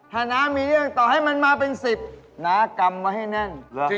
ถ้าน้ามีเรื่องต่อให้มันมาเป็น๑๐น้ากำไว้ให้แน่น